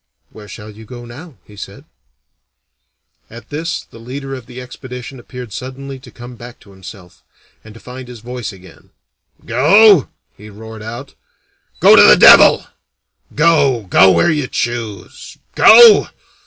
"Where shall you go now?" he said. At this the leader of the expedition appeared suddenly to come back to himself, and to find his voice again. "Go?" he roared out. "Go to the devil! Go? Go where you choose! Go?